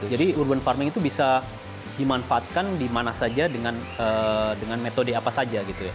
jadi urban farming itu bisa dimanfaatkan dimana saja dengan metode apa saja